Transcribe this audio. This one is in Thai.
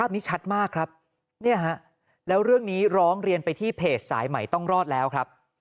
นี้ชัดมากครับเนี่ยฮะแล้วเรื่องนี้ร้องเรียนไปที่เพจสายใหม่ต้องรอดแล้วครับ